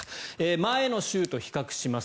前の週と比較します。